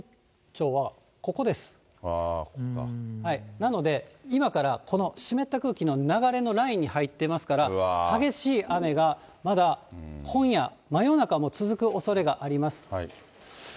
なので、今からこの湿った空気の流れのラインに入ってますから、激しい雨がまだ、今夜、真夜中も続くおそれがあります。